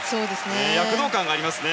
躍動感がありますね。